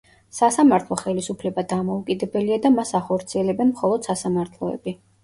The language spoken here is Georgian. სასამართლო ხელისუფლება დამოუკიდებელია და მას ახორციელებენ მხოლოდ სასამართლოები.